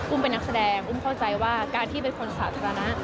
เป็นนักแสดงอุ้มเข้าใจว่าการที่เป็นคนสาธารณะ